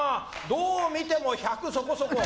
どう見ても１００そこそこ。